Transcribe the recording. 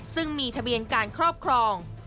ซึ่งมีทะเบียนการครอบครอง